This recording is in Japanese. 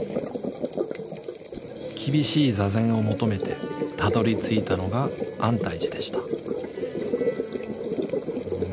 厳しい坐禅を求めてたどりついたのが安泰寺でした。